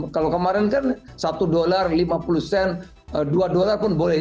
kalau kemarin kan satu dolar lima puluh sen dua dolar pun boleh